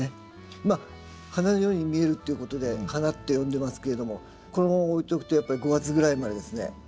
まあ花のように見えるっていうことで花って呼んでますけれどもこのまま置いておくとやっぱり５月ぐらいまでですね残っています。